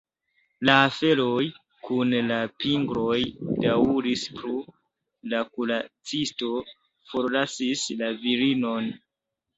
La aferoj kun la pingloj daŭris plu, la kuracisto forlasis la virinon.